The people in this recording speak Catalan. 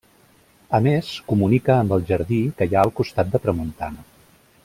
A més, comunica amb el jardí que hi ha al costat de tramuntana.